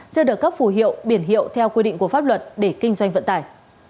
chưa được cấp phù hiệu biển hiệu theo quy định của pháp luật để kinh doanh vận tải